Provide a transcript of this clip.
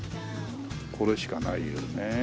これしかないよね。